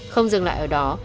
không dừng lại ở đó